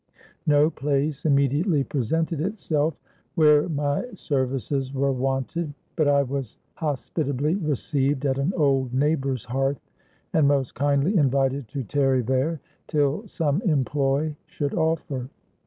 No place immediately presented itself where my services were wanted, but I was hospitably received at an old neighbor's hearth, and most kindly invited to tarry there, till some employ should offer.